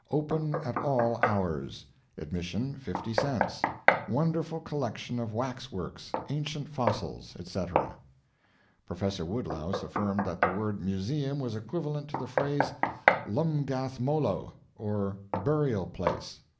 Open at All Hours. Admission 50 cents. WONDERFUL COLLECTION OF WAX WORKS, ANCIENT FOSSILS, ETC. Professor Woodlouse affirmed that the word "Museum" was equivalent to the phrase "lumgath molo," or "Burial Place."